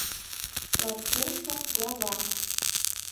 ЛАТКУМШО ГЛАВА